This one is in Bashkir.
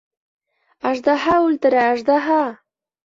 Аждаһа үлтерә, аждаһа!